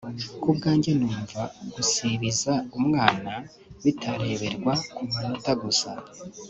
ku bwanjye numva gusibiza umwana bitareberwa ku manota gusa